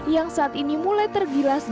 yang saat ini mulai tergilas